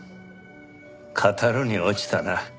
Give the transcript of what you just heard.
語るに落ちたな。